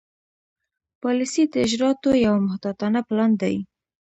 پالیسي د اجرااتو یو محتاطانه پلان دی.